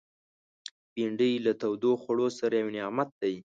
بېنډۍ له تودو خوړو سره یو نعمت دی